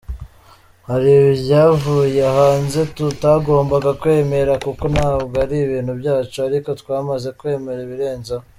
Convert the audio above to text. Hari ibyavuye hanze tutagomba kwemera kuko ntabwo ari ibintu byacu, ariko twamaze kwemera ibirenzeho.